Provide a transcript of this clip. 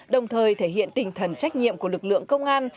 đồng thời thể hiện tinh thần trách nhiệm của lực lượng công an